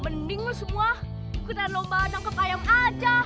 mending lu semua ikutan lomba anang nangkep ayam aja